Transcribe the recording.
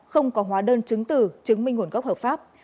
không có hóa đơn chứng từ chứng minh nguồn gốc hợp pháp